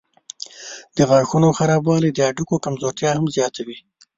د غاښونو خرابوالی د هډوکو کمزورتیا هم زیاتوي.